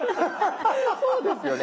そうですよね！